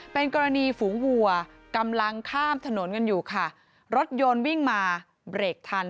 เป็นกรณีฝูงวัวกำลังข้ามถนนกันอยู่ค่ะรถยนต์วิ่งมาเบรกทัน